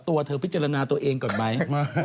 ตัวเธอพิจารณาตัวเองก่อนไหม